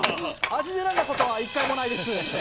味で選んだことは１回もないです。